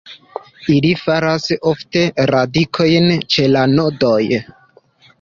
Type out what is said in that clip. Ili faras ofte radikojn ĉe la nodoj.